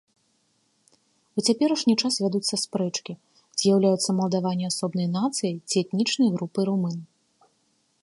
У цяперашні час вядуцца спрэчкі, з'яўляюцца малдаване асобнай нацыяй ці этнічнай групай румын.